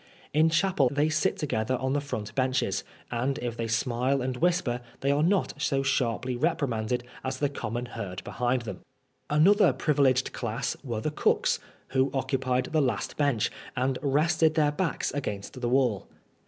In chapel they sit together on the front benches, and if they smile and whisper they are not so sharply reprimanded as the common herd be hind them. Another privieged class were the cooks, who occu pied the last bench, and rested their backs against the wall.